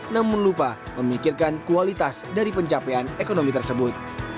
namun lupa memikirkan kualitas dari pencapaian ekonomi tersebut